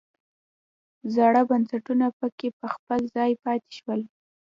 زاړه بنسټونه پکې په خپل ځای پاتې شول.